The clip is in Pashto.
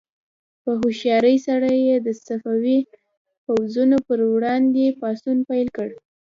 په هوښیارۍ سره یې د صفوي پوځونو پر وړاندې پاڅون پیل کړ.